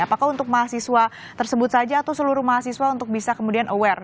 apakah untuk mahasiswa tersebut saja atau seluruh mahasiswa untuk bisa kemudian aware